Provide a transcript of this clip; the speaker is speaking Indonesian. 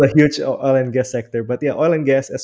juga sebuah sektor minyak dan minyak yang besar